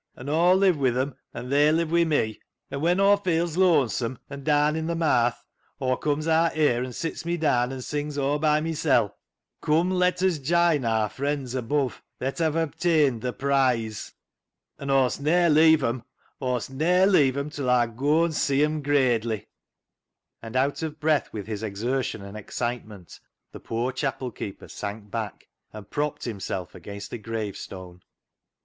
An' Aw live wi' 'em, an' they live wi' me. An' when Aw feels looan some an' daan i' th' maath. Aw comes aat here an' sits me daan an' sings aw by mysel' —' Come, let us jine our friends above That hev obtained the prize.' 304 CLOG SHOP CHRONICLES An' Aw'st ne'er leave 'em. Aw'st ne'er leave 'em till Aw goa an' see 'em gradely." And, out of breath with his exertion and excitement, the poor chapel keeper sank back and propped himself against a gravestone.